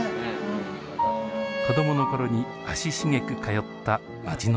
子どもの頃に足しげく通った町の書店です。